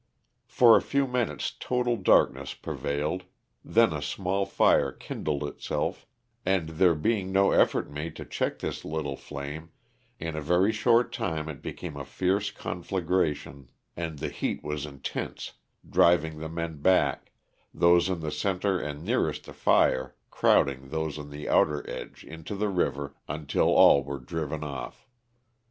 For a few minutes total darkness prevailed, then a small fire kindled itself and there being no effort made to check this little flame in a very short time it became a fierce conflagaration and the heat was intense, driv ing the men back, those in the center and nearest the fire crowding those on the outer edge into the river until all were driven off.